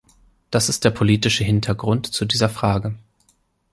Das ist der politische Hintergrund zu dieser Frage.